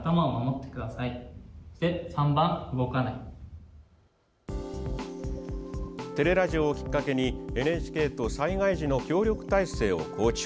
「てれらじお」をきっかけにＮＨＫと災害時の協力体制を構築。